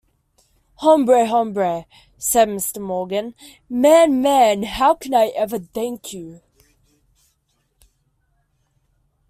"Hombre, hombre" said Mr. Morgan, "Man, man how can I ever thank you?